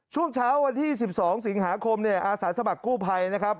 ช่วงเช้าวันที่๑๒สิงหาคมเนี่ยอาสาสมัครกู้ภัยนะครับ